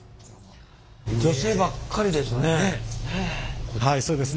女性ばっかりですね。